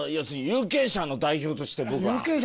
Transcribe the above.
有権者の代表として。